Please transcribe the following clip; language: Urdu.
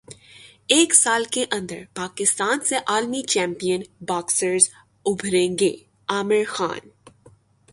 ایک سال کے اندر پاکستان سے عالمی چیمپئن باکسرز ابھریں گے عامر خان